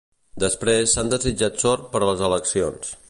Després, s'han desitjat sort per a les eleccions.